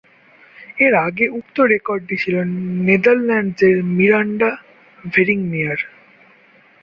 এর আগে উক্ত রেকর্ডটি ছিল নেদারল্যান্ডসের মিরান্ডা ভেরিংমিয়ার।